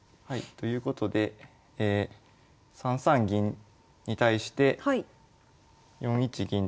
ということで３三銀に対して４一銀と打ちまして。